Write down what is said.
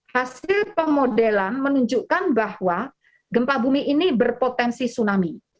hasil pemodelan menunjukkan bahwa gempa bumi ini berpotensi tsunami